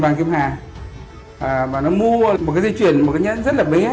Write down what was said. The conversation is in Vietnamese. và nó mua một cái dây chuyển rất là bé